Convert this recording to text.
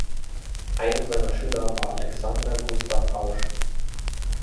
Einer seiner Schüler war Alexander Gustav Hausch.